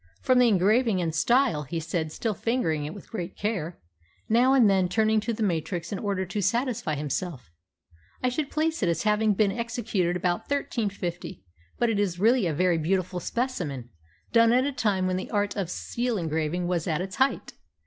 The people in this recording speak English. From the engraving and style," he said, still fingering it with great care, now and then turning to the matrix in order to satisfy himself, "I should place it as having been executed about 1350. But it is really a very beautiful specimen, done at a time when the art of seal engraving was at its height.